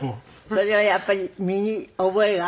それはやっぱり身に覚えがあるから？